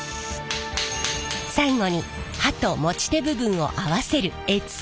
最後に刃と持ち手部分を合わせる柄付け。